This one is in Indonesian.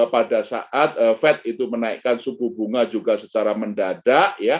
pada saat fed itu menaikkan suku bunga juga secara mendadak